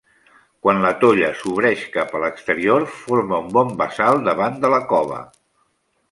Quan la tolla sobreïx cap a l'exterior, forma un bon bassal davant de la cova.